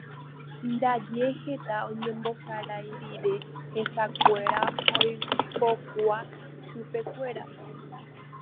Ndaje heta oñembosarai rire hesekuéra oipokua chupekuéra.